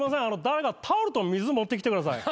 誰かタオルと水持ってきてください。